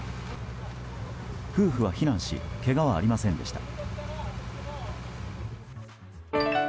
夫婦は避難しけがはありませんでした。